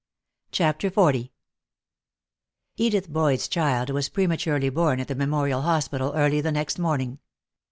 CHAPTER XL Edith Boyd's child was prematurely born at the Memorial Hospital early the next morning.